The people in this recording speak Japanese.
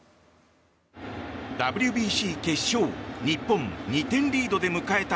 ＷＢＣ決勝日本、２点リードで迎えた